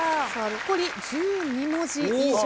残り１２文字以上。